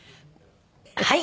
はい。